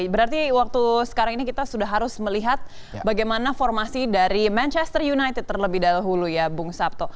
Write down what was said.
berarti waktu sekarang ini kita sudah harus melihat bagaimana formasi dari manchester united terlebih dahulu ya bung sabto